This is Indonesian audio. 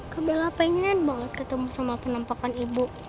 kak bella pengen banget ketemu sama penampakan ibu